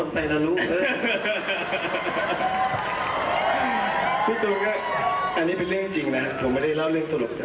ผมก็จะเจอคุณยายหลายคนครับ